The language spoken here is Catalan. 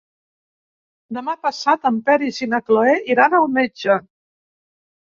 Demà passat en Peris i na Cloè iran al metge.